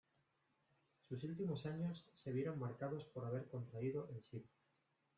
Sus últimos años se vieron marcados por haber contraído el sida.